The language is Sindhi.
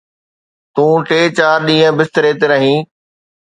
تون ٽي چار ڏينهن بستري تي رهين.